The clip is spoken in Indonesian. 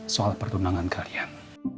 soal pertunangan kalian